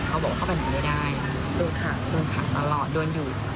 เขาบอกเข้าไปไหนไม่ได้ดูหักโดนขังตลอดโดนอยู่